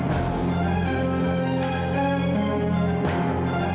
siapa jua yang bisa bertindakomu dengan baik